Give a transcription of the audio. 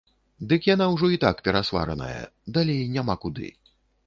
Дык яна ўжо і так перасвараная, далей няма куды.